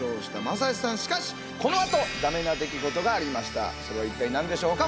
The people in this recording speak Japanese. さあそこでそれは一体何でしょうか？